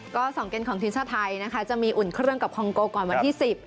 ก็๒เกมของทีมชาติไทยนะคะจะมีอุ่นเครื่องกับคองโกก่อนวันที่๑๐